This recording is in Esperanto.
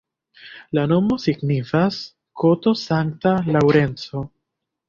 La nomo signifas koto-Sankta Laŭrenco.